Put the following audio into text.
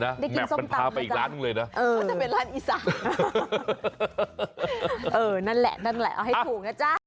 ได้กินส้มตำนะจ๊ะเออนั่นแหละเอาให้ถูกนะจ๊ะ